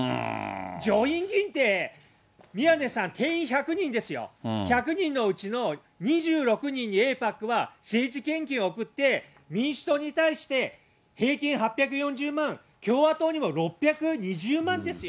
上院議員って、宮根さん、定員１００人ですよ、１００人のうちの２６人にエイパックは政治献金をおくって民主党に対して平均８４０万、共和党にも６２０万ですよ。